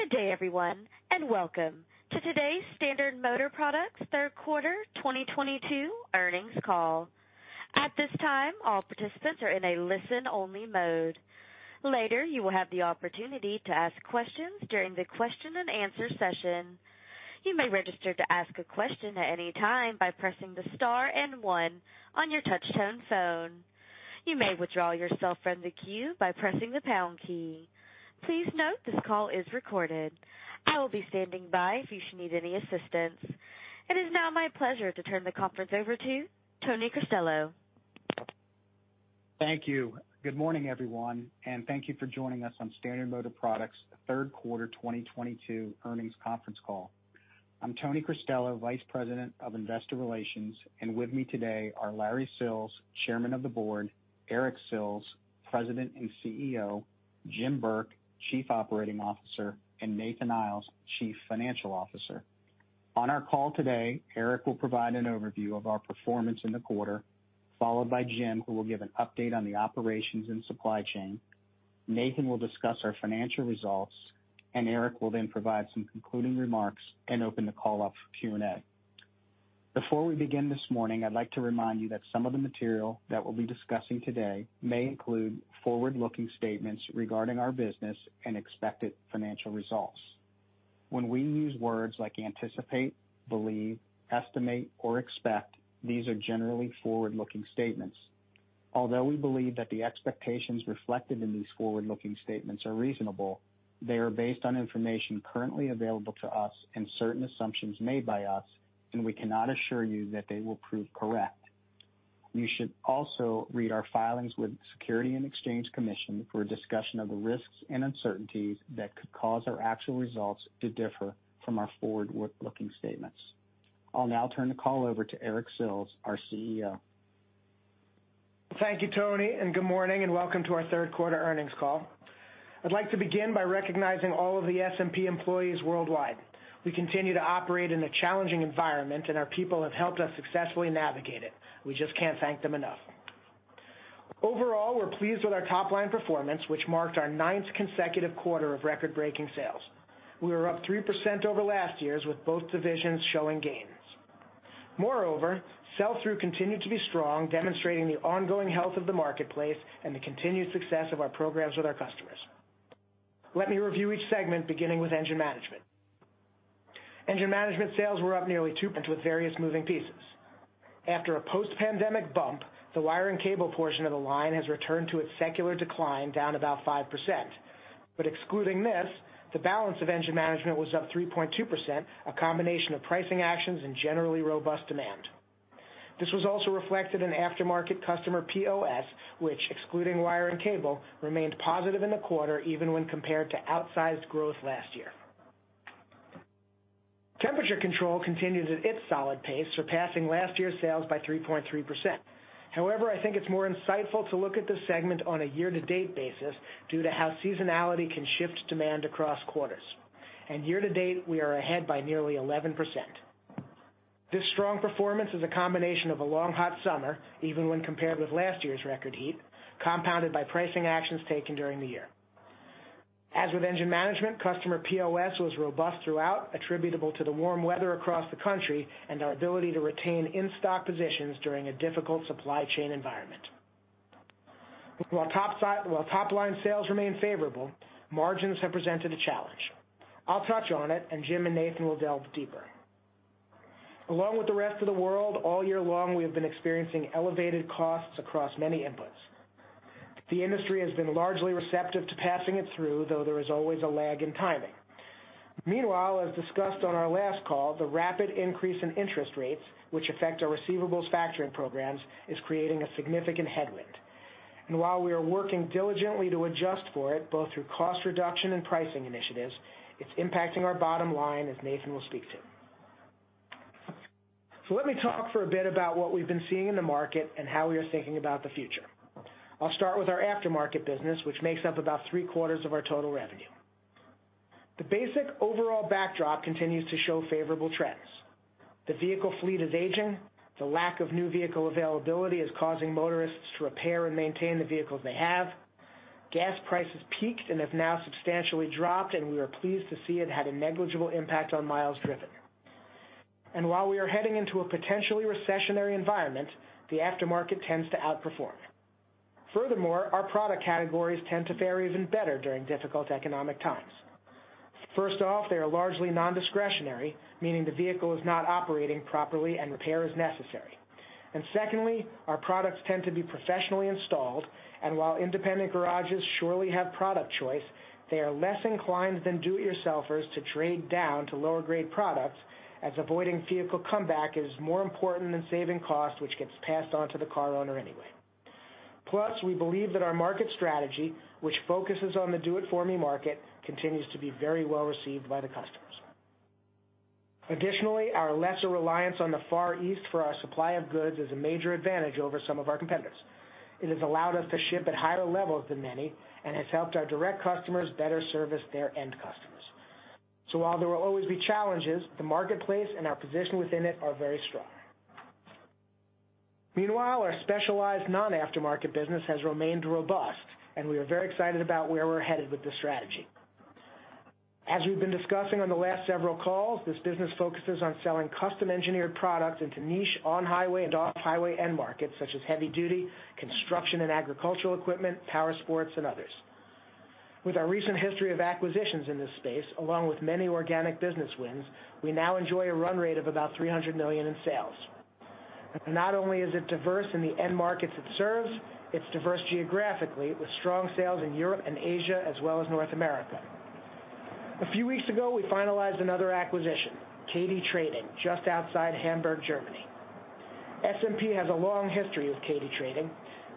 Good day, everyone, and welcome to today's Standard Motor Products third-quarter 2022 earnings call. At this time, all participants are in a listen-only mode. Later, you will have the opportunity to ask questions during the question-and-answer session. You may register to ask a question at any time by pressing the star and one on your touchtone phone. You may withdraw yourself from the queue by pressing the pound key. Please note this call is recorded. I will be standing by if you should need any assistance. It is now my pleasure to turn the conference over to Tony Cristello. Thank you. Good morning, everyone, and thank you for joining us on Standard Motor Products third quarter 2022 earnings conference call. I'm Tony Cristello, Vice President of Investor Relations, and with me today are Larry Sills, Chairman of the Board, Eric Sills, President and CEO, Jim Burke, Chief Operating Officer, and Nathan Iles, Chief Financial Officer. On our call today, Eric will provide an overview of our performance in the quarter, followed by Jim, who will give an update on the operations and supply chain. Nathan will discuss our financial results, and Eric will then provide some concluding remarks and open the call up for Q&A. Before we begin this morning, I'd like to remind you that some of the material that we'll be discussing today may include forward-looking statements regarding our business and expected financial results. When we use words like anticipate, believe, estimate, or expect, these are generally forward-looking statements. Although we believe that the expectations reflected in these forward-looking statements are reasonable, they are based on information currently available to us and certain assumptions made by us, and we cannot assure you that they will prove correct. You should also read our filings with the Securities and Exchange Commission for a discussion of the risks and uncertainties that could cause our actual results to differ from our forward-looking statements. I'll now turn the call over to Eric Sills, our CEO. Thank you, Tony, and good morning, and welcome to our third quarter earnings call. I'd like to begin by recognizing all of the SMP employees worldwide. We continue to operate in a challenging environment, and our people have helped us successfully navigate it. We just can't thank them enough. Overall, we're pleased with our top-line performance, which marked our ninth consecutive quarter of record-breaking sales. We were up 3% over last year's with both divisions showing gains. Moreover, sell-through continued to be strong, demonstrating the ongoing health of the marketplace and the continued success of our programs with our customers. Let me review each segment, beginning with Engine Management. Engine Management sales were up nearly 2% with various moving pieces. After a post-pandemic bump, the Wire and Cable portion of the line has returned to its secular decline, down about 5%. Excluding this, the balance of Engine Management was up 3.2%, a combination of pricing actions and generally robust demand. This was also reflected in aftermarket customer POS, which, excluding Wire and Cable, remained positive in the quarter even when compared to outsized growth last year. Temperature Control continues at its solid pace, surpassing last year's sales by 3.3%. However, I think it's more insightful to look at this segment on a year-to-date basis due to how seasonality can shift demand across quarters. Year-to-date, we are ahead by nearly 11%. This strong performance is a combination of a long, hot summer, even when compared with last year's record heat, compounded by pricing actions taken during the year. As with Engine Management, customer POS was robust throughout, attributable to the warm weather across the country and our ability to retain in-stock positions during a difficult supply chain environment. While top-line sales remain favorable, margins have presented a challenge. I'll touch on it, and Jim and Nathan will delve deeper. Along with the rest of the world, all year long, we have been experiencing elevated costs across many inputs. The industry has been largely receptive to passing it through, though there is always a lag in timing. Meanwhile, as discussed on our last call, the rapid increase in interest rates, which affect our receivables factoring programs, is creating a significant headwind. While we are working diligently to adjust for it, both through cost reduction and pricing initiatives, it's impacting our bottom line, as Nathan will speak to. Let me talk for a bit about what we've been seeing in the market and how we are thinking about the future. I'll start with our aftermarket business, which makes up about three-quarters of our total revenue. The basic overall backdrop continues to show favorable trends. The vehicle fleet is aging. The lack of new vehicle availability is causing motorists to repair and maintain the vehicles they have. Gas prices peaked and have now substantially dropped, and we are pleased to see it had a negligible impact on miles driven. While we are heading into a potentially recessionary environment, the aftermarket tends to outperform. Furthermore, our product categories tend to fare even better during difficult economic times. First off, they are largely non-discretionary, meaning the vehicle is not operating properly and repair is necessary. Secondly, our products tend to be professionally installed, and while independent garages surely have product choice, they are less inclined than do-it-yourselfers to trade down to lower-grade products, as avoiding vehicle comeback is more important than saving cost, which gets passed on to the car owner anyway. Plus, we believe that our market strategy, which focuses on the do-it-for-me market, continues to be very well received by the customers. Additionally, our lesser reliance on the Far East for our supply of goods is a major advantage over some of our competitors. It has allowed us to ship at higher levels than many and has helped our direct customers better service their end customers. While there will always be challenges, the marketplace and our position within it are very strong. Meanwhile, our specialized non-aftermarket business has remained robust, and we are very excited about where we're headed with this strategy. As we've been discussing on the last several calls, this business focuses on selling custom-engineered products into niche on-highway and off-highway end markets, such as heavy duty, construction and agricultural equipment, Powersports, and others. With our recent history of acquisitions in this space, along with many organic business wins, we now enjoy a run rate of about $300 million in sales. Not only is it diverse in the end markets it serves, it's diverse geographically, with strong sales in Europe and Asia, as well as North America. A few weeks ago, we finalized another acquisition, Kade Trading, just outside Hamburg, Germany. SMP has a long history with Kade Trading.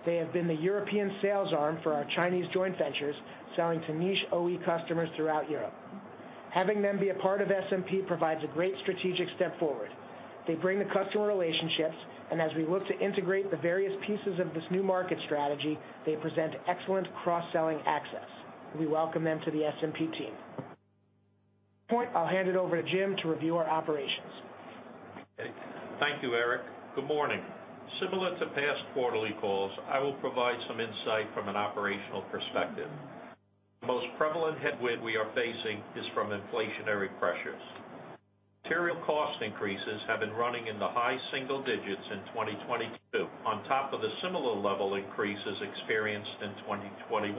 They have been the European sales arm for our Chinese joint ventures, selling to niche OE customers throughout Europe. Having them be a part of SMP provides a great strategic step forward. They bring the customer relationships, and as we look to integrate the various pieces of this new market strategy, they present excellent cross-selling access. We welcome them to the SMP team. At this point, I'll hand it over to Jim to review our operations. Thank you, Eric. Good morning. Similar to past quarterly calls, I will provide some insight from an operational perspective. The most prevalent headwind we are facing is from inflationary pressures. Material cost increases have been running in the high single digits in 2022, on top of the similar level increases experienced in 2021.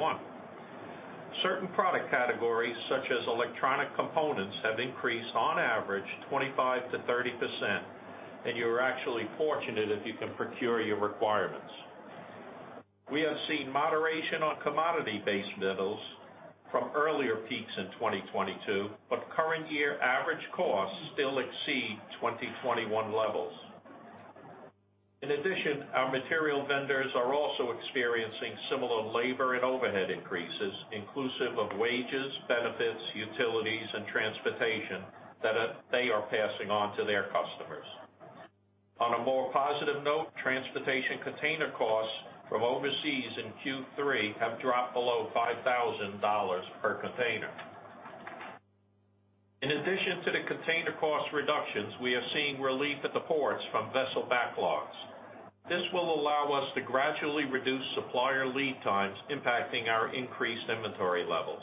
Certain product categories, such as electronic components, have increased on average 25%-30%, and you're actually fortunate if you can procure your requirements. We have seen moderation on commodity-based metals from earlier peaks in 2022, but current year average costs still exceed 2021 levels. In addition, our material vendors are also experiencing similar labor and overhead increases, inclusive of wages, benefits, utilities, and transportation that they are passing on to their customers. On a more positive note, transportation container costs from overseas in Q3 have dropped below $5,000 per container. In addition to the container cost reductions, we are seeing relief at the ports from vessel backlogs. This will allow us to gradually reduce supplier lead times impacting our increased inventory levels.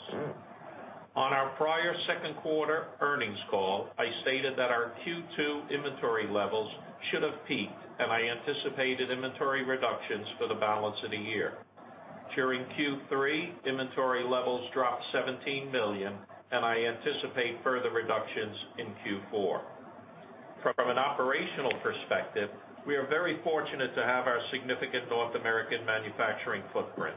On our prior second quarter earnings call, I stated that our Q2 inventory levels should have peaked, and I anticipated inventory reductions for the balance of the year. During Q3, inventory levels dropped $17 million, and I anticipate further reductions in Q4. From an operational perspective, we are very fortunate to have our significant North American manufacturing footprint.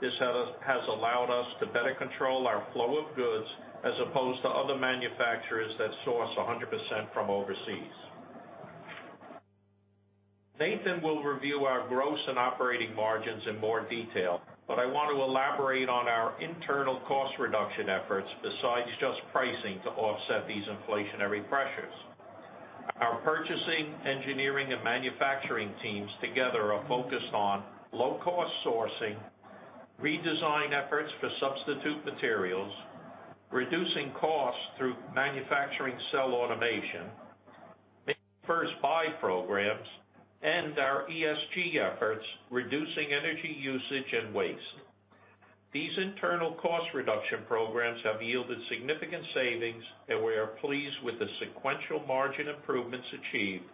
This has allowed us to better control our flow of goods as opposed to other manufacturers that source 100% from overseas. Nathan will review our gross and operating margins in more detail, but I want to elaborate on our internal cost reduction efforts besides just pricing to offset these inflationary pressures. Our purchasing, engineering, and manufacturing teams together are focused on low-cost sourcing, redesign efforts for substitute materials, reducing costs through manufacturing cell automation, make-versus-buy programs, and our ESG efforts, reducing energy usage and waste. These internal cost reduction programs have yielded significant savings, and we are pleased with the sequential margin improvements achieved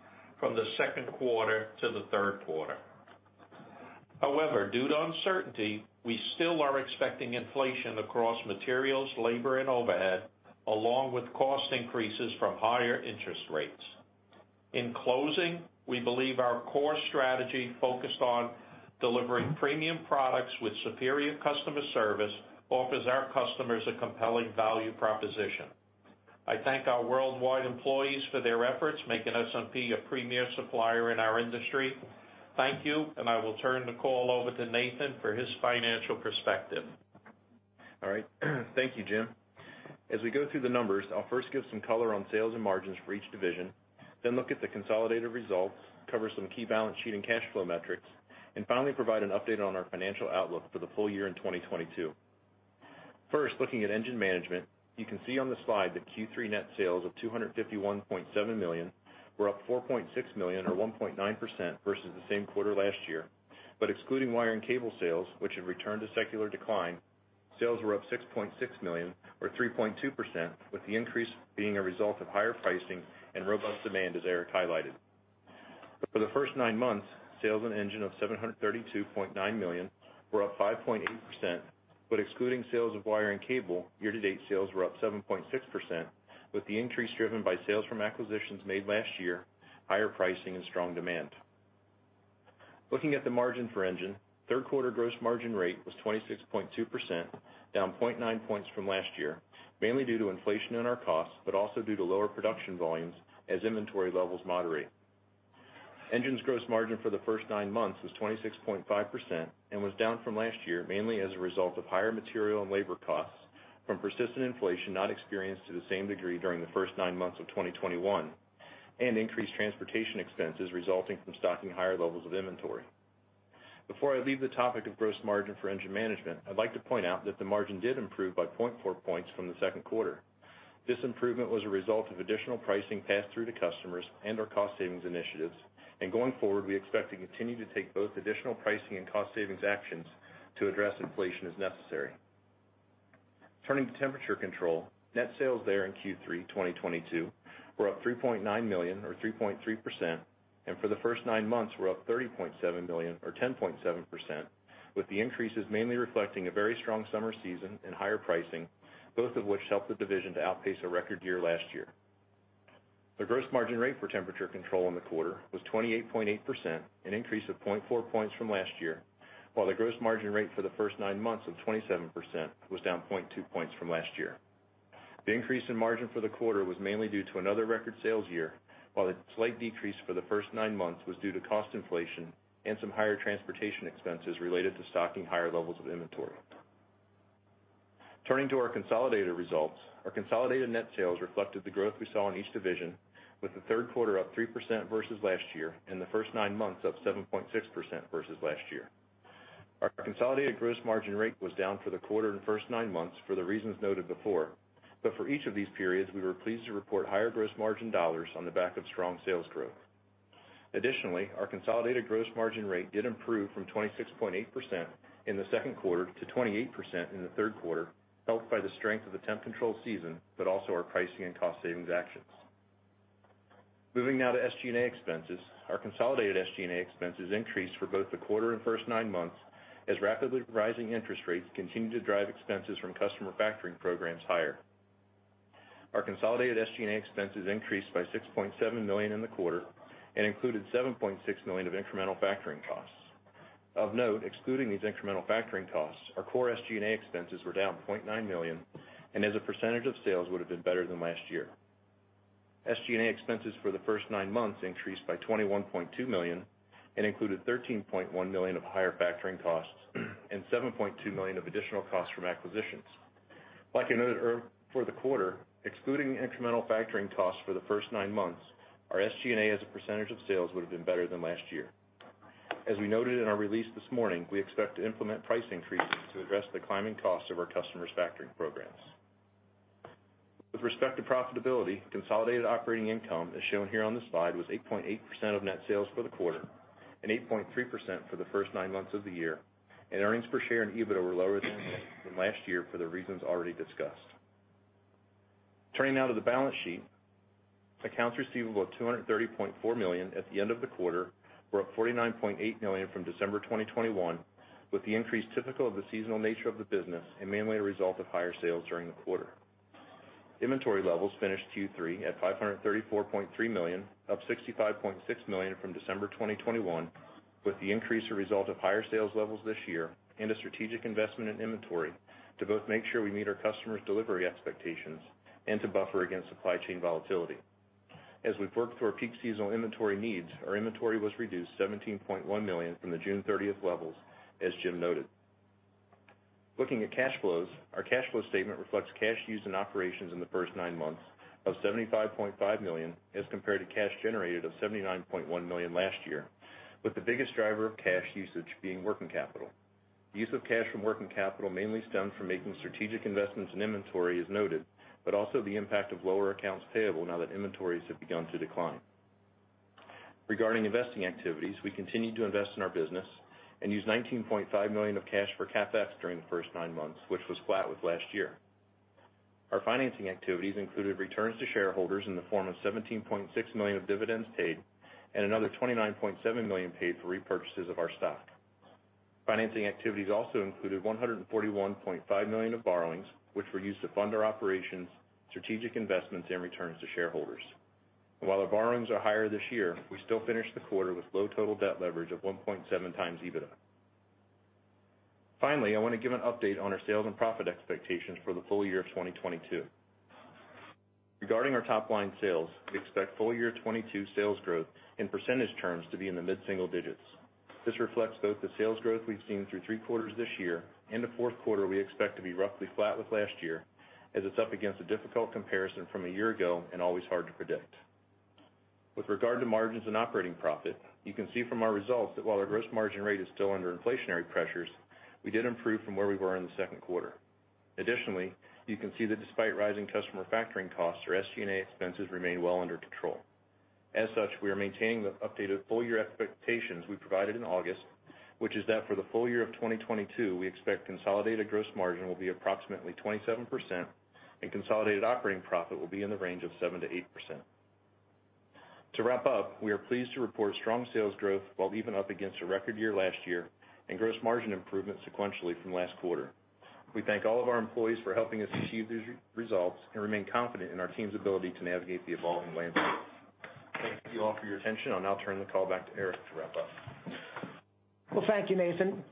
from the second quarter to the third quarter. However, due to uncertainty, we still are expecting inflation across materials, labor, and overhead, along with cost increases from higher interest rates. In closing, we believe our core strategy focused on delivering premium products with superior customer service offers our customers a compelling value proposition. I thank our worldwide employees for their efforts making SMP a premier supplier in our industry. Thank you, and I will turn the call over to Nathan for his financial perspective. All right. Thank you, Jim. As we go through the numbers, I'll first give some color on sales and margins for each division, then look at the consolidated results, cover some key balance sheet and cash flow metrics, and finally, provide an update on our financial outlook for the full year in 2022. First, looking at Engine Management, you can see on the slide that Q3 net sales of $251.7 million were up $4.6 million or 1.9% versus the same quarter last year. Excluding Wire and Cable sales, which have returned to secular decline, sales were up $6.6 million or 3.2%, with the increase being a result of higher pricing and robust demand, as Eric highlighted. For the first nine months, sales in Engine of $732.9 million were up 5.8%, but excluding sales of Wire and Cable, year-to-date sales were up 7.6%, with the increase driven by sales from acquisitions made last year, higher pricing, and strong demand. Looking at the margin for Engine, third quarter gross margin rate was 26.2%, down 0.9 points from last year, mainly due to inflation in our costs, but also due to lower production volumes as inventory levels moderate. Engine Management's gross margin for the first nine months was 26.5% and was down from last year, mainly as a result of higher material and labor costs from persistent inflation not experienced to the same degree during the first nine months of 2021, and increased transportation expenses resulting from stocking higher levels of inventory. Before I leave the topic of gross margin for Engine Management, I'd like to point out that the margin did improve by 0.4 points from the second quarter. This improvement was a result of additional pricing passed through to customers and our cost savings initiatives, and going forward, we expect to continue to take both additional pricing and cost savings actions to address inflation as necessary. Turning to Temperature Control, net sales there in Q3 2022 were up $3.9 million or 3.3%, and for the first nine months were up $30.7 million or 10.7%, with the increases mainly reflecting a very strong summer season and higher pricing, both of which helped the division to outpace a record year last year. The gross margin rate for Temperature Control in the quarter was 28.8%, an increase of 0.4 points from last year, while the gross margin rate for the first nine months of 27% was down 0.2 points from last year. The increase in margin for the quarter was mainly due to another record sales year, while the slight decrease for the first nine months was due to cost inflation and some higher transportation expenses related to stocking higher levels of inventory. Turning to our consolidated results, our consolidated net sales reflected the growth we saw in each division with the third quarter up 3% versus last year and the first nine months up 7.6% versus last year. Our consolidated gross margin rate was down for the quarter and first nine months for the reasons noted before, but for each of these periods, we were pleased to report higher gross margin dollars on the back of strong sales growth. Additionally, our consolidated gross margin rate did improve from 26.8% in the second quarter to 28% in the third quarter, helped by the strength of the Temp Control season, but also our pricing and cost savings actions. Moving now to SG&A expenses. Our consolidated SG&A expenses increased for both the quarter and first nine months as rapidly rising interest rates continued to drive expenses from customer factoring programs higher. Our consolidated SG&A expenses increased by $6.7 million in the quarter and included $7.6 million of incremental factoring costs. Of note, excluding these incremental factoring costs, our core SG&A expenses were down $0.9 million, and as a percentage of sales, would have been better than last year. SG&A expenses for the first nine months increased by $21.2 million and included $13.1 million of higher factoring costs and $7.2 million of additional costs from acquisitions. Like I noted earlier for the quarter, excluding the incremental factoring costs for the first nine months, our SG&A as a percentage of sales, would have been better than last year. As we noted in our release this morning, we expect to implement price increases to address the climbing costs of our customers' factoring programs. With respect to profitability, consolidated operating income, as shown here on this slide, was 8.8% of net sales for the quarter and 8.3% for the first nine months of the year, and earnings per share and EBITDA were lower than last year for the reasons already discussed. Turning now to the balance sheet. Accounts receivable of $230.4 million at the end of the quarter were up $49.8 million from December 2021, with the increase typical of the seasonal nature of the business and mainly a result of higher sales during the quarter. Inventory levels finished Q3 at $534.3 million, up $65.6 million from December 2021, with the increase a result of higher sales levels this year and a strategic investment in inventory to both make sure we meet our customers' delivery expectations and to buffer against supply chain volatility. As we've worked through our peak seasonal inventory needs, our inventory was reduced $17.1 million from the June 30th levels, as Jim noted. Looking at cash flows, our cash flow statement reflects cash used in operations in the first nine months of $75.5 million as compared to cash generated of $79.1 million last year, with the biggest driver of cash usage being working capital. The use of cash from working capital mainly stemmed from making strategic investments in inventory as noted, but also the impact of lower accounts payable now that inventories have begun to decline. Regarding investing activities, we continued to invest in our business and used $19.5 million of cash for CapEx during the first nine months, which was flat with last year. Our financing activities included returns to shareholders in the form of $17.6 million of dividends paid and another $29.7 million paid for repurchases of our stock. Financing activities also included $141.5 million of borrowings, which were used to fund our operations, strategic investments, and returns to shareholders. While our borrowings are higher this year, we still finished the quarter with low total debt leverage of 1.7 times EBITDA. Finally, I want to give an update on our sales and profit expectations for the full year of 2022. Regarding our top-line sales, we expect full year 2022 sales growth in percentage terms to be in the mid-single digits. This reflects both the sales growth we've seen through three quarters this year and a fourth quarter we expect to be roughly flat with last year, as it's up against a difficult comparison from a year ago and always hard to predict. With regard to margins and operating profit, you can see from our results that while our gross margin rate is still under inflationary pressures, we did improve from where we were in the second quarter. Additionally, you can see that despite rising customer factoring costs, our SG&A expenses remain well under control. As such, we are maintaining the updated full-year expectations we provided in August, which is that for the full year of 2022, we expect consolidated gross margin will be approximately 27% and consolidated operating profit will be in the range of 7%-8%. To wrap up, we are pleased to report strong sales growth while even up against a record year last year and gross margin improvement sequentially from last year last quarter. We thank all of our employees for helping us achieve these results and remain confident in our team's ability to navigate the evolving landscape. Thank you all for your attention. I'll now turn the call back to Eric to wrap up. Well, thank you, Nathan.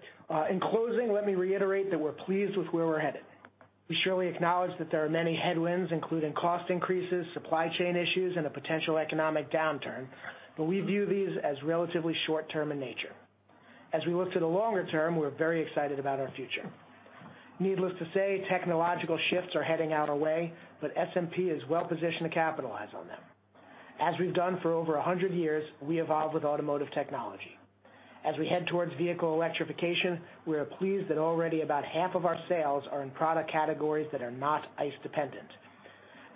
In closing, let me reiterate that we're pleased with where we're headed. We surely acknowledge that there are many headwinds, including cost increases, supply chain issues, and a potential economic downturn, but we view these as relatively short-term in nature. As we look to the longer term, we're very excited about our future. Needless to say, technological shifts are heading out our way, but SMP is well-positioned to capitalize on them. As we've done for over a hundred years, we evolve with automotive technology. As we head towards vehicle electrification, we are pleased that already about half of our sales are in product categories that are not ICE-dependent,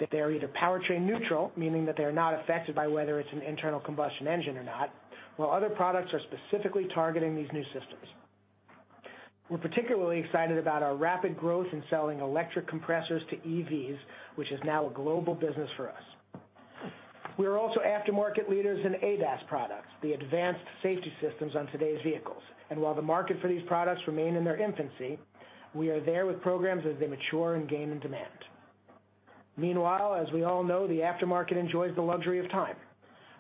that they are either powertrain neutral, meaning that they are not affected by whether it's an internal combustion engine or not, while other products are specifically targeting these new systems. We're particularly excited about our rapid growth in selling electric compressors to EVs, which is now a global business for us. We are also aftermarket leaders in ADAS products, the advanced safety systems on today's vehicles. While the market for these products remain in their infancy, we are there with programs as they mature and gain in demand. Meanwhile, as we all know, the aftermarket enjoys the luxury of time.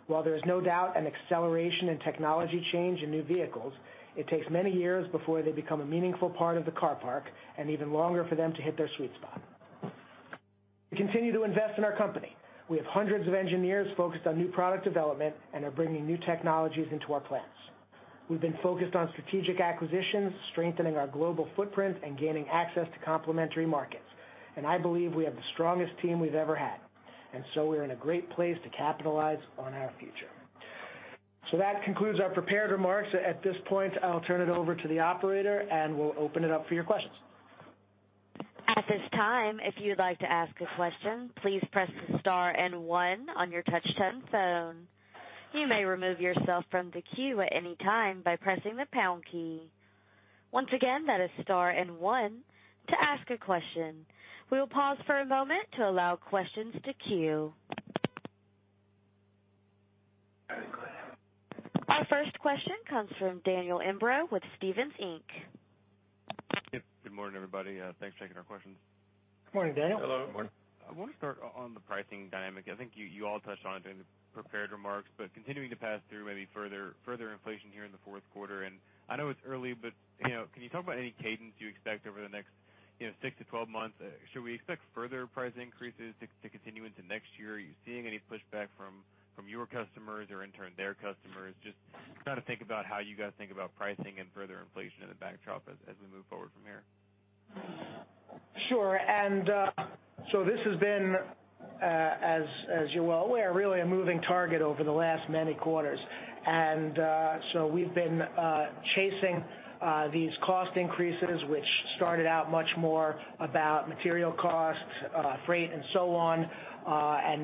While there is no doubt an acceleration in technology change in new vehicles, it takes many years before they become a meaningful part of the car park and even longer for them to hit their sweet spot. We continue to invest in our company. We have hundreds of engineers focused on new product development and are bringing new technologies into our plans. We've been focused on strategic acquisitions, strengthening our global footprint, and gaining access to complementary markets, and I believe we have the strongest team we've ever had, and so we're in a great place to capitalize on our future. That concludes our prepared remarks. At this point, I'll turn it over to the operator, and we'll open it up for your questions. At this time, if you'd like to ask a question, please press the star and one on your touch-tone phone. You may remove yourself from the queue at any time by pressing the pound key. Once again, that is star and one to ask a question. We will pause for a moment to allow questions to queue. Our first question comes from Daniel Imbro with Stephens, Inc. Yes. Good morning, everybody. Thanks for taking our questions. Good morning, Daniel. Hello. Good morning. I wanna start on the pricing dynamic. I think you all touched on it in the prepared remarks, but continuing to pass through maybe further inflation here in the fourth quarter. I know it's early, but, you know, can you talk about any cadence you expect over the next, you know, six to 12 months? Should we expect further price increases to continue into next year? Are you seeing any pushback from your customers or in turn, their customers? Just trying to think about how you guys think about pricing and further inflation in the backdrop as we move forward from here. Sure. This has been, as you're well aware, really a moving target over the last many quarters. We've been chasing these cost increases, which started out much more about material costs, freight and so on.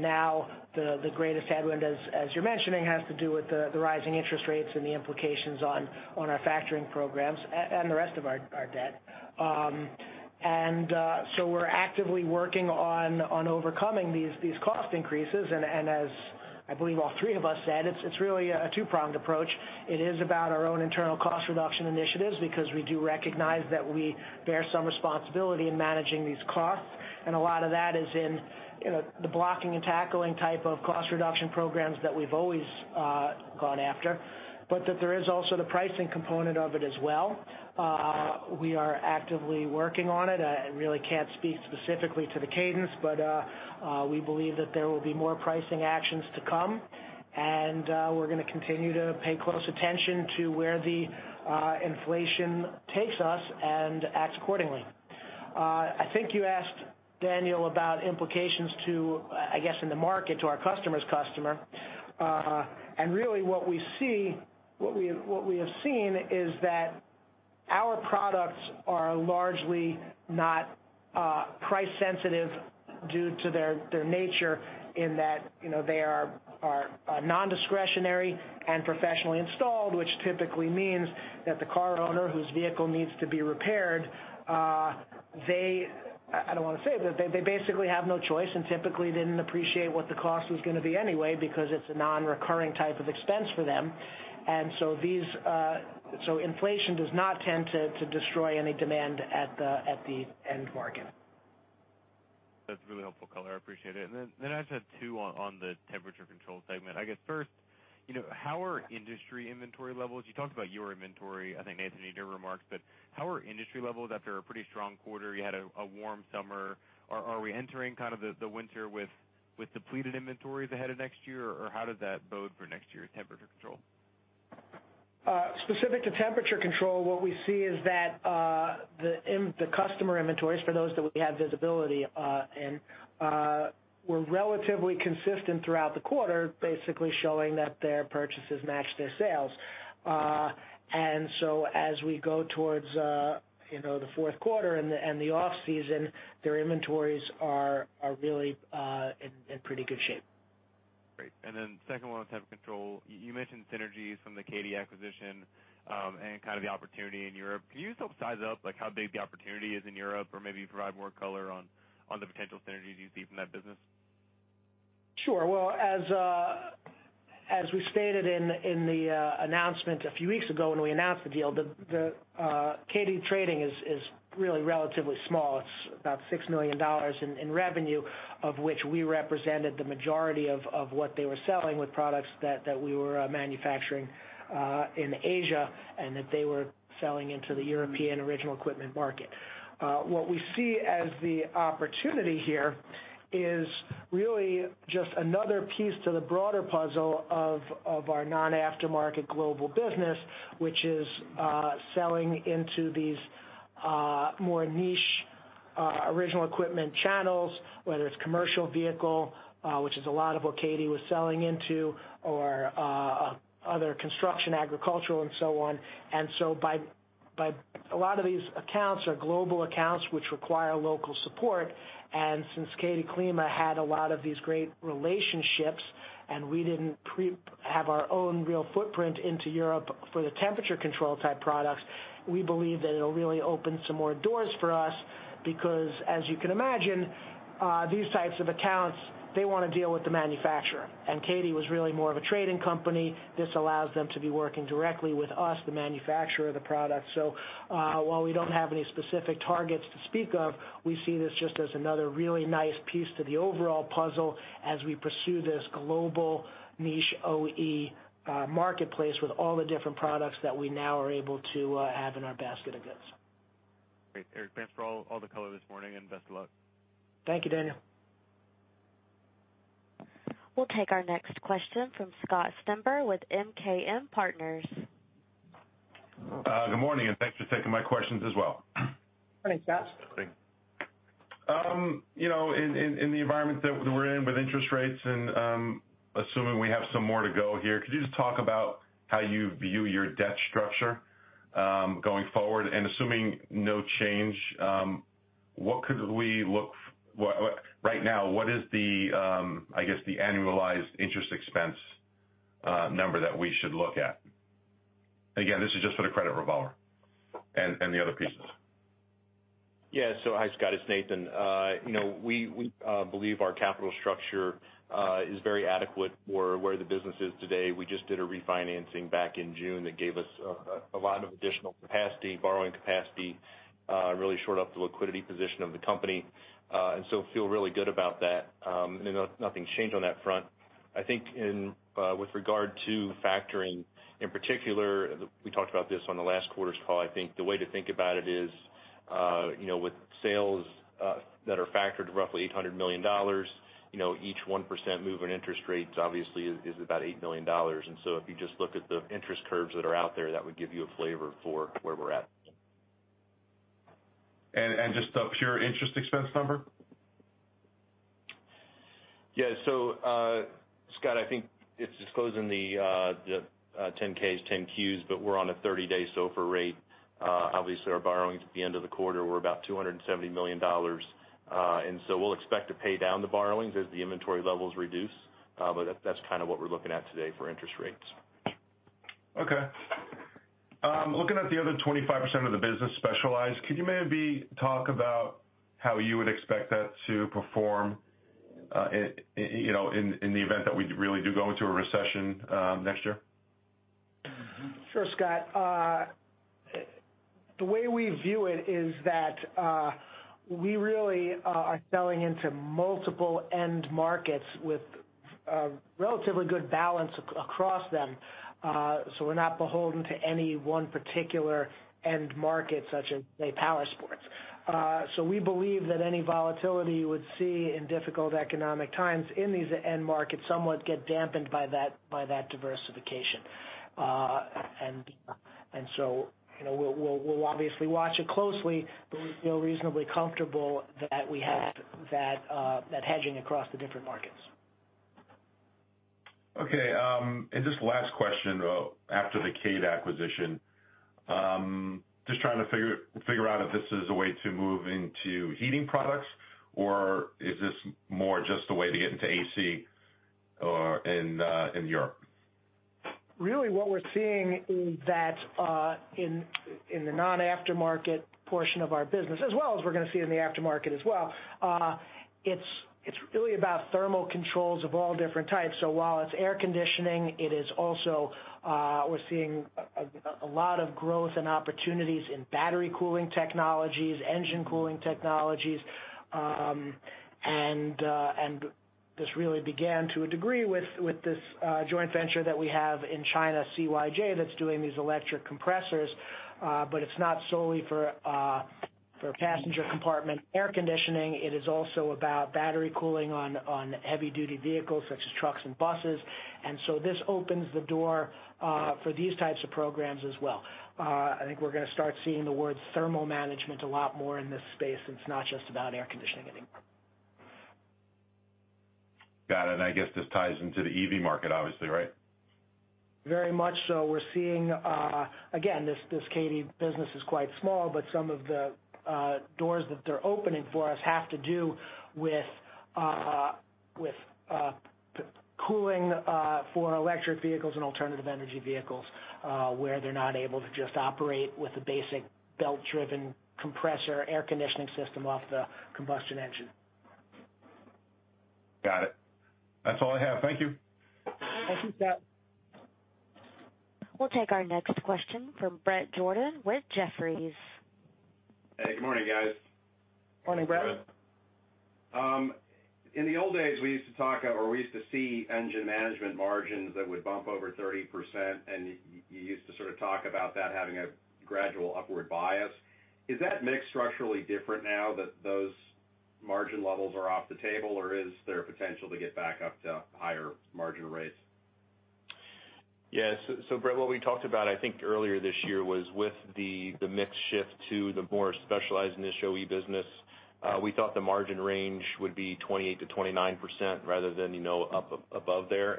Now the greatest headwind, as you're mentioning, has to do with the rising interest rates and the implications on our factoring programs and the rest of our debt. We're actively working on overcoming these cost increases. As I believe all three of us said, it's really a two-pronged approach. It is about our own internal cost reduction initiatives because we do recognize that we bear some responsibility in managing these costs, and a lot of that is in, you know, the blocking and tackling type of cost reduction programs that we've always gone after. That there is also the pricing component of it as well. We are actively working on it. I really can't speak specifically to the cadence, but we believe that there will be more pricing actions to come, and we're gonna continue to pay close attention to where the inflation takes us and act accordingly. I think you asked, Daniel, about implications to, I guess, in the market, to our customer's customer. Really what we have seen is that our products are largely not price sensitive due to their nature in that, you know, they are non-discretionary and professionally installed, which typically means that the car owner whose vehicle needs to be repaired, I don't want to say that they basically have no choice and typically didn't appreciate what the cost was gonna be anyway because it's a non-recurring type of expense for them. Inflation does not tend to destroy any demand at the end market. That's really helpful color. I appreciate it. Then I just have two on the Temperature Control segment. I guess first, you know, how are industry inventory levels? You talked about your inventory, I think, Nathan, in your remarks, but how are industry levels after a pretty strong quarter? You had a warm summer. Are we entering kind of the winter with depleted inventories ahead of next year, or how does that bode for next year's Temperature Control? Specific to Temperature Control, what we see is that the customer inventories for those that we have visibility in were relatively consistent throughout the quarter, basically showing that their purchases match their sales. As we go towards you know the fourth quarter and the off-season, their inventories are really in pretty good shape. Great. Then second one on Temp Control. You mentioned synergies from the Kade acquisition, and kind of the opportunity in Europe. Can you just help size up like how big the opportunity is in Europe or maybe provide more color on the potential synergies you see from that business? Sure. Well, as we stated in the announcement a few weeks ago when we announced the deal, the Kade Trading is really relatively small. It's about $6 million in revenue, of which we represented the majority of what they were selling with products that we were manufacturing in Asia and that they were selling into the European original equipment market. What we see as the opportunity here is really just another piece to the broader puzzle of our non-aftermarket global business, which is selling into these more niche original equipment channels, whether it's commercial vehicle, which is a lot of what Kade was selling into or other construction, agricultural and so on. A lot of these accounts are global accounts which require local support. Since KaDe Klima had a lot of these great relationships, and we didn't have our own real footprint into Europe for the Temperature Control type products, we believe that it'll really open some more doors for us because as you can imagine, these types of accounts, they wanna deal with the manufacturer, and Katie was really more of a trading company. This allows them to be working directly with us, the manufacturer of the product. While we don't have any specific targets to speak of, we see this just as another really nice piece to the overall puzzle as we pursue this global niche OE marketplace with all the different products that we now are able to have in our basket of goods. Great. Eric, thanks for all the color this morning, and best of luck. Thank you, Daniel. We'll take our next question from Scott Stember with MKM Partners. Good morning, and thanks for taking my questions as well. Morning, Scott. Morning. You know, in the environment that we're in with interest rates and assuming we have some more to go here, could you just talk about how you view your debt structure going forward? Assuming no change, right now what is the, I guess, the annualized interest expense number that we should look at? Again, this is just for the credit revolver and the other pieces. Yeah. Hi, Scott, it's Nathan. You know, we believe our capital structure is very adequate for where the business is today. We just did a refinancing back in June that gave us a lot of additional capacity, borrowing capacity, really shored up the liquidity position of the company, and so feel really good about that. Nothing's changed on that front. I think with regard to factoring, in particular, we talked about this on the last quarter's call. I think the way to think about it is, you know, with sales that are factored roughly $800 million, you know, each 1% move in interest rates obviously is about $8 million. If you just look at the interest curves that are out there, that would give you a flavor for where we're at. Just a pure interest expense number. Yeah. Scott, I think it's disclosed in the 10-Ks, 10-Qs, but we're on a 30-day SOFR rate. Obviously, our borrowings at the end of the quarter were about $270 million. We'll expect to pay down the borrowings as the inventory levels reduce. That's kind of what we're looking at today for interest rates. Okay. Looking at the other 25% of the business specialized, could you maybe talk about how you would expect that to perform, you know, in the event that we really do go into a recession next year? Sure, Scott. The way we view it is that we really are selling into multiple end markets with a relatively good balance across them, so we're not beholden to any one particular end market such as, say, Powersports. We believe that any volatility you would see in difficult economic times in these end markets somewhat get dampened by that diversification. You know, we'll obviously watch it closely, but we feel reasonably comfortable that we have that hedging across the different markets. Okay, just last question after the Kade acquisition. Just trying to figure out if this is a way to move into heating products, or is this more just a way to get into AC in Europe? Really what we're seeing is that in the non-aftermarket portion of our business, as well as we're gonna see in the aftermarket as well, it's really about thermal controls of all different types. While it's air conditioning, it is also we're seeing a lot of growth and opportunities in battery cooling technologies, engine cooling technologies. This really began to a degree with this joint venture that we have in China, CYJ, that's doing these electric compressors. It's not solely for passenger compartment air conditioning. It is also about battery cooling on heavy duty vehicles such as trucks and buses. This opens the door for these types of programs as well. I think we're gonna start seeing the word thermal management a lot more in this space, and it's not just about air conditioning anymore. Got it. I guess this ties into the EV market, obviously, right? Very much so. We're seeing, again, this Kade business is quite small, but some of the doors that they're opening for us have to do with with cooling for electric vehicles and alternative energy vehicles, where they're not able to just operate with a basic belt-driven compressor air conditioning system off the combustion engine. Got it. That's all I have. Thank you. Thank you, Scott. We'll take our next question from Bret Jordan with Jefferies. Hey, good morning, guys. Morning, Bret. Good morning. In the old days, we used to talk or we used to see Engine Management margins that would bump over 30%, and you used to sort of talk about that having a gradual upward bias. Is that mix structurally different now that those margin levels are off the table, or is there potential to get back up to higher margin rates? Yes. Brett, what we talked about, I think earlier this year was with the mix shift to the more specialized niche OE business, we thought the margin range would be 28%-29% rather than, you know, up above there.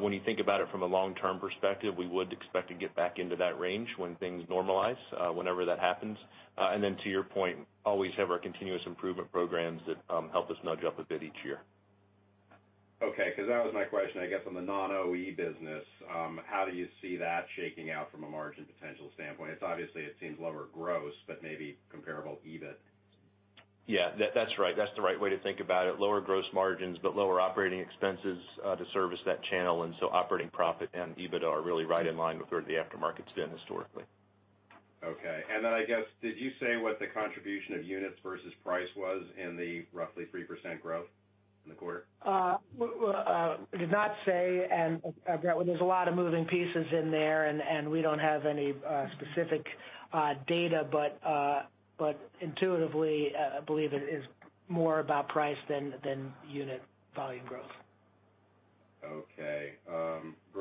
When you think about it from a long-term perspective, we would expect to get back into that range when things normalize, whenever that happens. To your point, we always have our continuous improvement programs that help us nudge up a bit each year. Okay. Because that was my question, I guess, on the non-OE business, how do you see that shaking out from a margin potential standpoint? It's obviously, it seems lower gross, but maybe comparable EBIT. Yeah, that's right. That's the right way to think about it. Lower gross margins, but lower operating expenses to service that channel. Operating profit and EBITDA are really right in line with where the aftermarket's been historically. Okay. I guess, did you say what the contribution of units versus price was in the roughly 3% growth in the quarter? We did not say, and Bret, there's a lot of moving parts in there, and we don't have any specific data, but intuitively, I believe it is more about price than unit volume growth.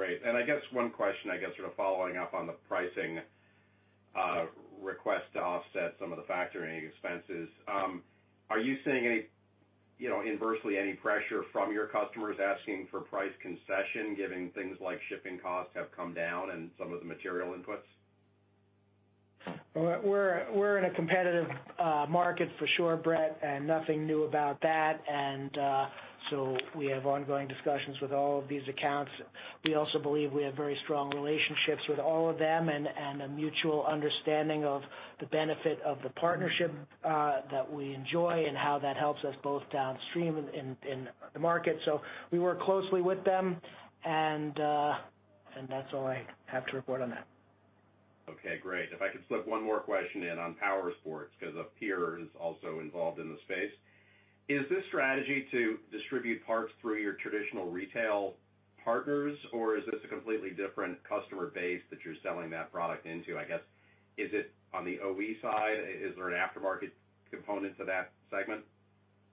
Great. I guess one question, I guess sort of following up on the pricing request to offset some of the factoring expenses. Are you seeing any, you know, inversely any pressure from your customers asking for price concession, given things like shipping costs have come down and some of the material inputs? We're in a competitive market for sure, Bret, and nothing new about that. We have ongoing discussions with all of these accounts. We also believe we have very strong relationships with all of them and a mutual understanding of the benefit of the partnership that we enjoy and how that helps us both downstream in the market. We work closely with them and that's all I have to report on that. Okay, great. If I could slip one more question in on Powersports, 'cause a peer is also involved in the space. Is this strategy to distribute parts through your traditional retail partners, or is this a completely different customer base that you're selling that product into? I guess, is it on the OE side? Is there an aftermarket component to that segment?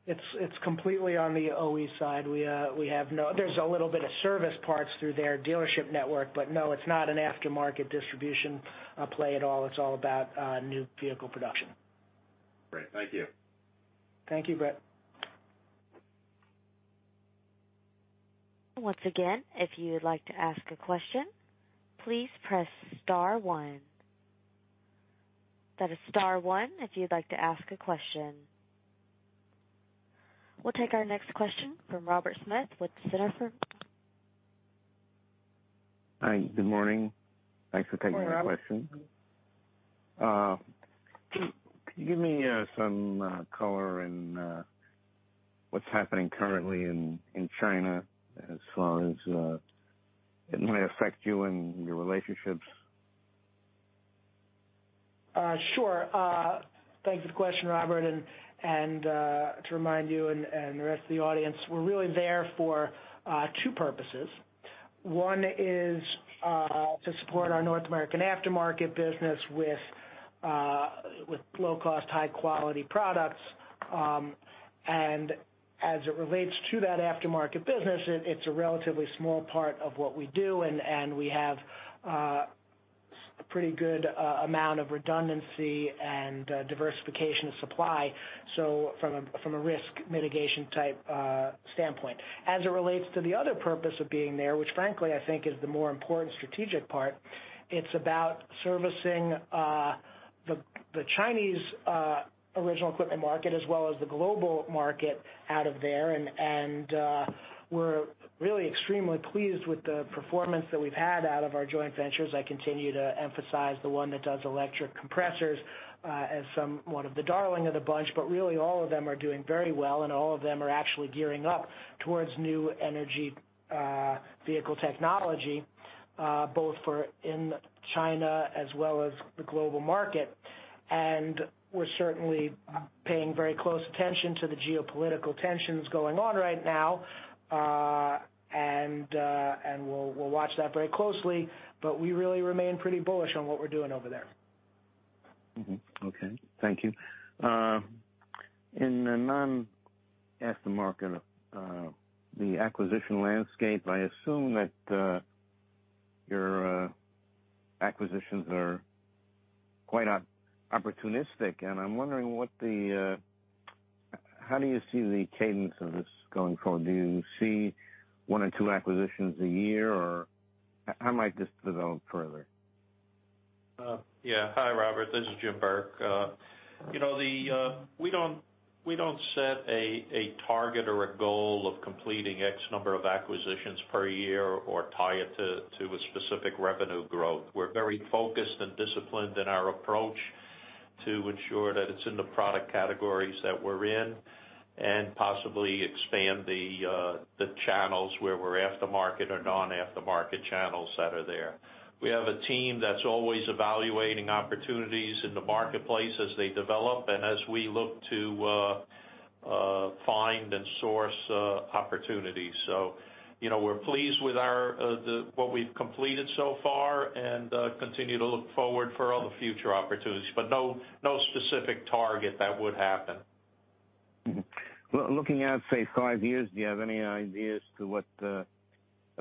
It's completely on the OE side. There's a little bit of service parts through their dealership network, but no, it's not an aftermarket distribution play at all. It's all about new vehicle production. Great. Thank you. Thank you, Bret. Once again, if you would like to ask a question, please press star one. That is star one, if you'd like to ask a question. We'll take our next question from Robert Smith with Center for... Hi, good morning. Thanks for taking my question. Good morning, Robert. Can you give me some color in what's happening currently in China as far as it may affect you and your relationships? Sure. Thanks for the question, Robert. To remind you and the rest of the audience, we're really there for two purposes. One is to support our North American aftermarket business with low cost, high quality products. As it relates to that aftermarket business, it's a relatively small part of what we do, and we have a pretty good amount of redundancy and diversification of supply, so from a risk mitigation type standpoint. As it relates to the other purpose of being there, which frankly, I think is the more important strategic part, it's about servicing the Chinese original equipment market as well as the global market out of there. We're really extremely pleased with the performance that we've had out of our joint ventures. I continue to emphasize the one that does electric compressors as somewhat of the darling of the bunch. Really, all of them are doing very well, and all of them are actually gearing up towards new energy vehicle technology both in China as well as the global market. We're certainly paying very close attention to the geopolitical tensions going on right now. We'll watch that very closely, but we really remain pretty bullish on what we're doing over there. Okay. Thank you. In the non-aftermarket, the acquisition landscape, I assume that your acquisitions are quite opportunistic, and I'm wondering how do you see the cadence of this going forward? Do you see one or two acquisitions a year, or how might this develop further? Yeah. Hi, Robert. This is Jim Burke. You know, we don't set a target or a goal of completing X number of acquisitions per year or tie it to a specific revenue growth. We're very focused and disciplined in our approach to ensure that it's in the product categories that we're in and possibly expand the channels where we're aftermarket or non-aftermarket channels that are there. We have a team that's always evaluating opportunities in the marketplace as they develop and as we look to find and source opportunities. You know, we're pleased with our what we've completed so far and continue to look forward for all the future opportunities, but no specific target that would happen. Looking at, say, five years, do you have any idea as to what a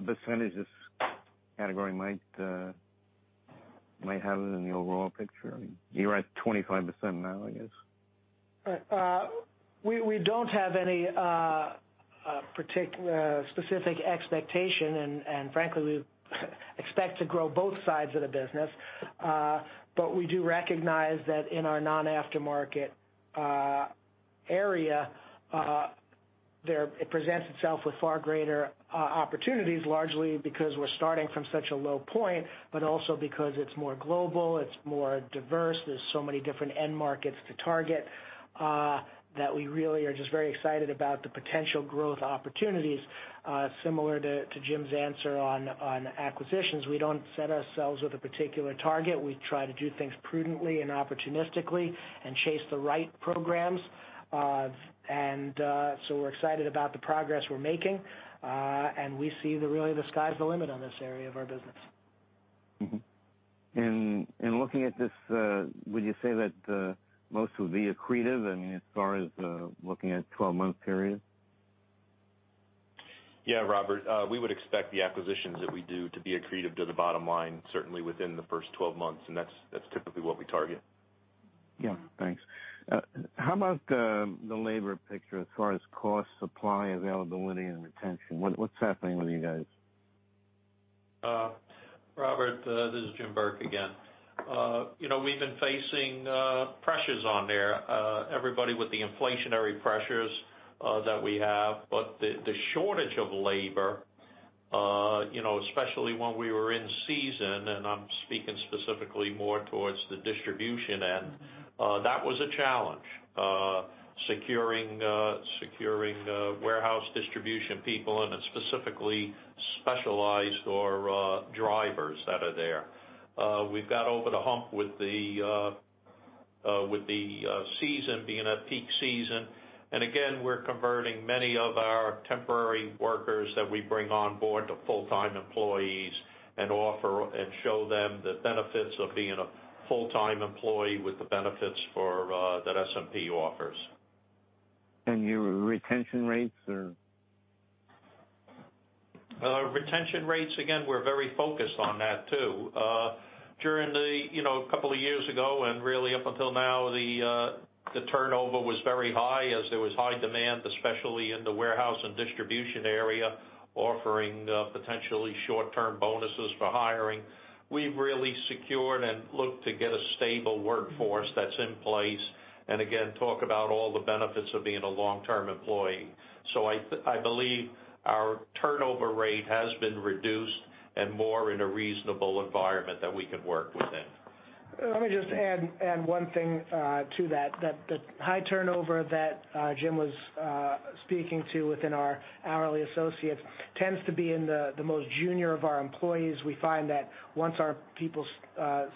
percentage this category might have in the overall picture? You're at 25% now, I guess. We don't have any specific expectation. Frankly, we expect to grow both sides of the business. We do recognize that in our non-aftermarket area, it presents itself with far greater opportunities, largely because we're starting from such a low point, but also because it's more global, it's more diverse. There's so many different end markets to target that we really are just very excited about the potential growth opportunities. Similar to Jim's answer on acquisitions, we don't set ourselves with a particular target. We try to do things prudently and opportunistically and chase the right programs. We're excited about the progress we're making, and we see that really the sky's the limit on this area of our business. Mm-hmm. Looking at this, would you say that most will be accretive, I mean, as far as looking at 12-month period? Yeah, Robert, we would expect the acquisitions that we do to be accretive to the bottom line, certainly within the first 12 months, and that's typically what we target. Yeah, thanks. How about the labor picture as far as cost, supply, availability, and retention? What's happening with you guys? Robert, this is Jim Burke again. You know, we've been facing pressures on there, everybody with the inflationary pressures that we have. The shortage of labor, you know, especially when we were in season, and I'm speaking specifically more towards the distribution end, that was a challenge. Securing warehouse distribution people and specifically specialized or drivers that are there. We've got over the hump with the season being a peak season. We're converting many of our temporary workers that we bring on board to full-time employees and offer and show them the benefits of being a full-time employee with the benefits for that SMP offers. Your retention rates are? Retention rates, again, we're very focused on that too. During the, you know, couple of years ago and really up until now, the turnover was very high as there was high demand, especially in the warehouse and distribution area, offering potentially short-term bonuses for hiring. We've really secured and looked to get a stable workforce that's in place, and again, talk about all the benefits of being a long-term employee. I believe our turnover rate has been reduced and more in a reasonable environment that we could work within. Let me just add one thing to that. That the high turnover that Jim was speaking to within our hourly associates tends to be in the most junior of our employees. We find that once our people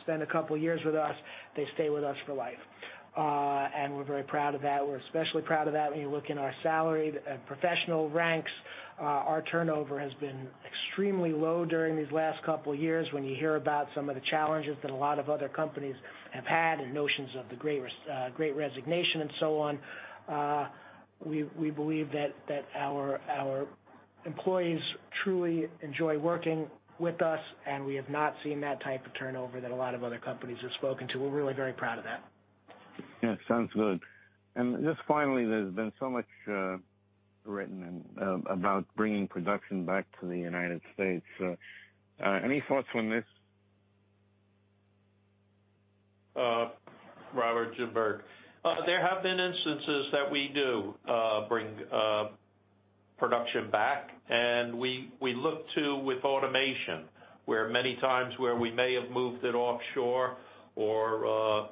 spend a couple of years with us, they stay with us for life. We're very proud of that. We're especially proud of that when you look in our salaried and professional ranks. Our turnover has been extremely low during these last couple of years when you hear about some of the challenges that a lot of other companies have had and notions of the Great Resignation and so on. We believe that our employees truly enjoy working with us, and we have not seen that type of turnover that a lot of other companies have spoken to. We're really very proud of that. Yeah, sounds good. Just finally, there's been so much written about bringing production back to the United States. Any thoughts on this? Robert, Jim Burke. There have been instances that we do bring production back, and we look to with automation, where many times we may have moved it offshore or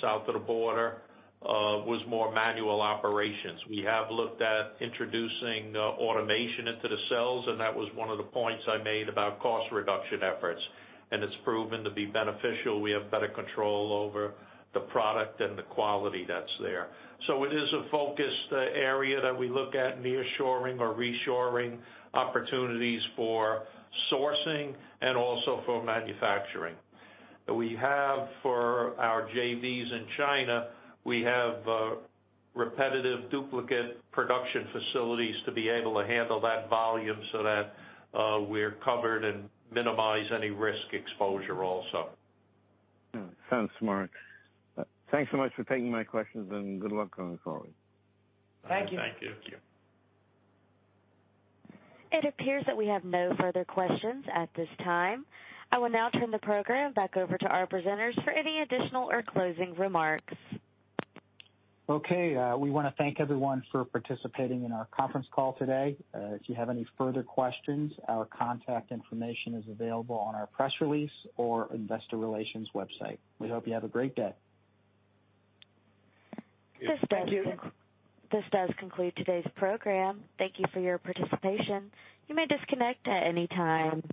south of the border was more manual operations. We have looked at introducing automation into the cells, and that was one of the points I made about cost reduction efforts, and it's proven to be beneficial. We have better control over the product and the quality that's there. It is a focus, the area that we look at nearshoring or reshoring opportunities for sourcing and also for manufacturing. We have for our JVs in China repetitive duplicate production facilities to be able to handle that volume so that we're covered and minimize any risk exposure also. Sounds smart. Thanks so much for taking my questions, and good luck on the call. Thank you. Thank you. Thank you. It appears that we have no further questions at this time. I will now turn the program back over to our presenters for any additional or closing remarks. We wanna thank everyone for participating in our conference call today. If you have any further questions, our contact information is available on our press release or investor relations website. We hope you have a great day. Thank you. This does conclude today's program. Thank you for your participation. You may disconnect at any time.